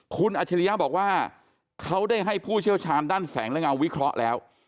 คุณอัจฉริยะบอกว่าเขาได้ให้ผู้เชี่ยวชาญด้านแสงและเงาวิเคราะห์แล้ว